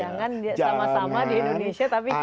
jangan sama sama di indonesia tapi